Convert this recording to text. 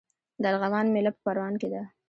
د ارغوان میله په پروان کې ده.